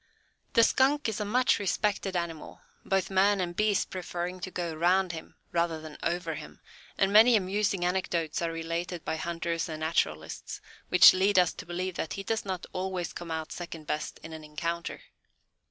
The Skunk is a much respected animal, both man and beast preferring to go around him rather than over him, and many amusing anecdotes are related by hunters and naturalists, which lead us to believe that he does not always come out second best in an encounter.